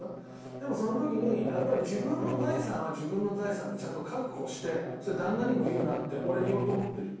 でもその時にやっぱり「自分の財産は自分の財産でちゃんと確保してそれは旦那にも言うな」って俺言おうと思ってるよ。